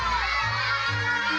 iya régat tuh